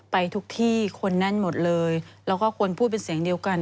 ไปทุกที่คนแน่นหมดเลยแล้วก็ควรพูดเป็นเสียงเดียวกัน